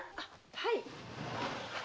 はい。